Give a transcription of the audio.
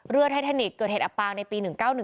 ไททานิกเกิดเหตุอับปางในปี๑๙๑